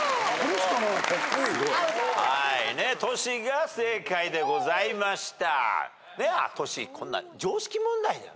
トシが正解でございました。